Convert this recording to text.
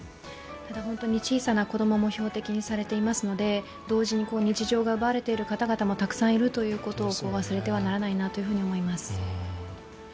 ただ小さな子供も標的にされていますので、同時に日常が奪われている方々がたくさんいるということを忘れてはならないなと思います。